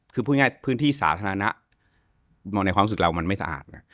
คือพูดง่ายพื้นที่สาธารณะมองในความรู้สึกเรามันไม่สะอาดไง